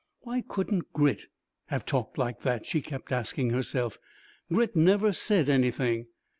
Why couldn't Grit have talked like that? she kept asking herself. Grit never said anything.